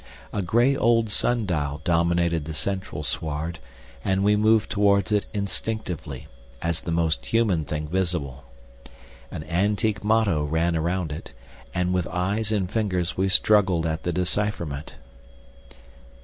A grey old sun dial dominated the central sward, and we moved towards it instinctively, as the most human thing visible. An antique motto ran round it, and with eyes and fingers we struggled at the decipherment.